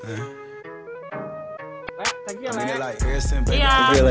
eh tak kira ya